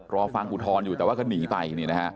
รอฟังอุทธรณ์อยู่แต่ว่าก็หนีไป